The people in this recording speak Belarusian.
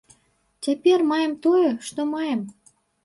Цяпер маем тое, што маем.